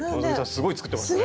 すごい作ってましたね。